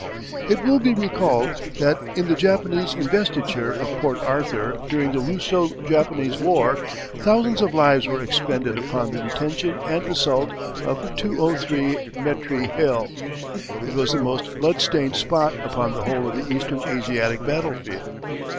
It will be recalled that in the Japanese investiture of Port Arthur during the Russo Japanese war, thousands of lives were expended upon the retention and assault of 203 Metre Hill. It was the most blood stained spot upon the whole of the Eastern Asiatic battlefield.